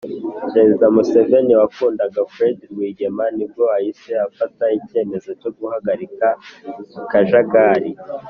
perezida museveni wakundaga fred rwigema nibwo ahise afata icyemezo cyo guhagarika akajagari